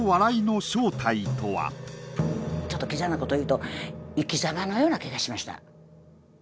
ちょっとキザなこと言うと生きざまのような気がしました。